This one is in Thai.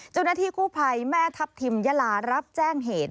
เจ้าหน้าที่กู้ภัยแม่ทัพทิมยาลารับแจ้งเหตุ